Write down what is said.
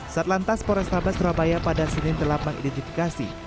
setelah antas portabas surabaya pada senin telah mengidentifikasi